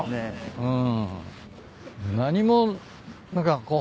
うん。